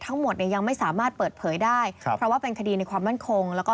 มันไม่ใช่อำนาจหน้าที่ผมนะครับ